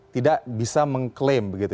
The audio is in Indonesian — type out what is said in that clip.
tidak bisa mengklaim begitu